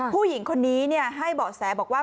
ผู้หญิงคนนี้ให้เบาะแสบอกว่า